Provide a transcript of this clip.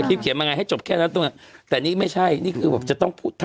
คลิปเขียนมางานให้จบแค่นั้นตรงนั้นแต่นี่ไม่ใช่นี่คือจะต้องพูด